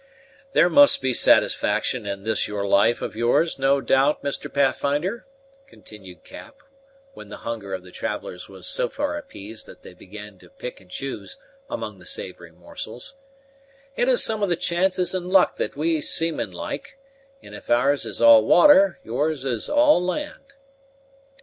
"There must be satisfaction in this life of yours, no doubt, Mr. Pathfinder," continued Cap, when the hunger of the travellers was so far appeased that they began to pick and choose among the savory morsels; "it has some of the chances and luck that we seamen like; and if ours is all water, yours is all land."